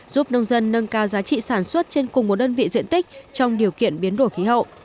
giúp nông dân nâng cao giá trị sản xuất trên cùng một đơn vị diện tích trong điều kiện biến đổi khí hậu